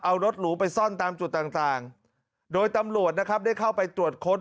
เอารถหรูไปซ่อนตามจุดต่างโดยตำรวจนะครับได้เข้าไปตรวจค้น